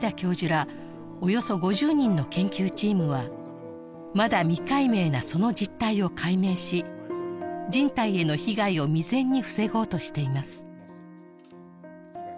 およそ５０人の研究チームはまだ未解明なその実態を解明し人体への被害を未然に防ごうとしています